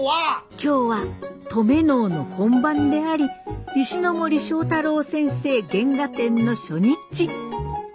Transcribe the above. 今日は登米能の本番であり石ノ森章太郎先生原画展の初日。